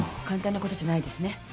簡単なことじゃないですね。